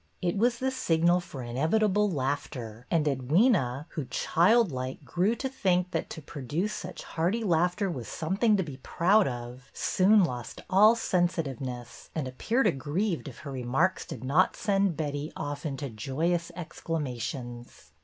It was the signal for inevitable laughter, and Edwyna, who, childlike, grew to think that to produce such hearty laughter was something to be proud of, soon lost all sensitive ness, and appeared aggrieved if her remarks did not send Betty off into joyous exclamations.